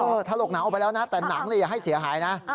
ถลกหนังออกไปแล้วนะแต่หนังอย่าให้เสียหายนะ